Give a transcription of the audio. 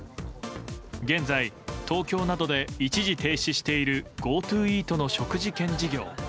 現在、東京などで一時停止しているＧｏＴｏイートの食事券事業。